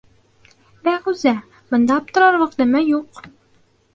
— Бәғүзә, бында аптырарлыҡ нәмә юҡ.